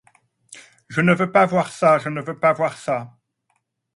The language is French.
Je ne veux pas voir ça! je ne veux pas voir ça !